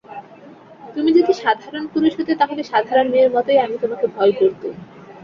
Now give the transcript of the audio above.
তুমি যদি সাধারণ পুরুষ হতে তাহলে সাধারণ মেয়ের মতোই আমি তোমাকে ভয় করতুম।